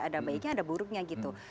ada baiknya ada buruknya gitu